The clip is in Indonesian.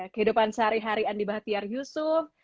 kehidupan sehari hari andi bahtiar yusuf